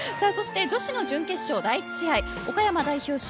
そして女子の準決勝第１試合岡山代表